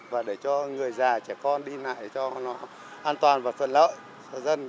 và để cho người già trẻ con đi lại cho nó an toàn và thuận lợi cho dân